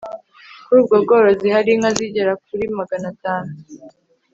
Kuri ubwo bworozi hari inka zigera kuri magana tanu